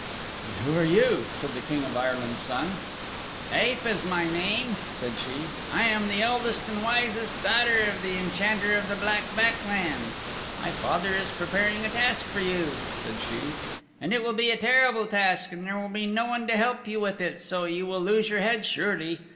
"And who are you?" said the King of Ireland's Son. "Aefa is my name," said she, "I am the eldest and the wisest daughter of the Enchanter of the Black Back lands. My father is preparing a task for you," said she, "and it will be a terrible task, and there will be no one to help you with it, so you will lose your head surely.